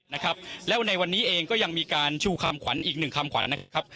นะครับแล้วในวันนี้เองก็ยังมีการชูคำขวัญอีกหนึ่งคำขวัญนะครับ